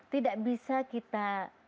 tidak bisa kita